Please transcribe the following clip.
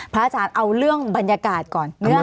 อาจารย์เอาเรื่องบรรยากาศก่อน